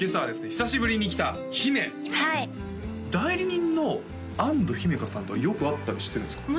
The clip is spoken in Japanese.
久しぶりに来た姫代理人の安土姫華さんとはよく会ったりしてるんですか？